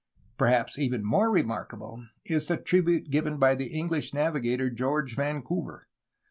Perhaps even more remarkable is the tribute given by the EngUsh navigator, George Vancouver.